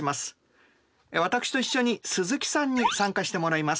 私と一緒に鈴木さんに参加してもらいます。